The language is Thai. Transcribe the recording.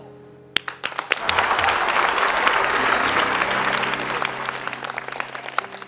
พร้อม